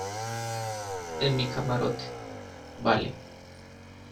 en mi camarote. vale .